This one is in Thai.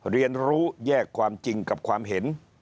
เรียนรู้แยกความจริงกับความเห็น